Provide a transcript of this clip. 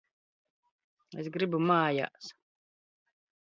Es gribu mājās!